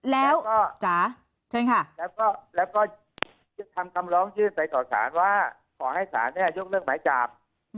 แล้วก็ทำคำร้องชื่นใส่ต่อศาลว่าขอให้ศาลยกเลิกหมายจาก